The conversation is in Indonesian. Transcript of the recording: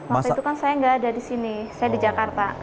waktu itu kan saya nggak ada di sini saya di jakarta